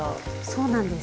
そうなんです。